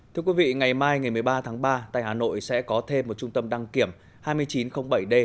thưa quý vị ngày mai ngày một mươi ba tháng ba tại hà nội sẽ có thêm một trung tâm đăng kiểm hai nghìn chín trăm linh bảy d